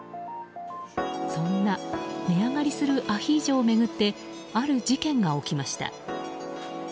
そんな値上がりするアヒージョを巡ってある事件が起きました。